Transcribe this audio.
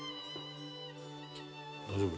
「大丈夫？